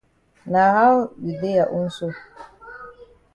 Na how you dey ya own so?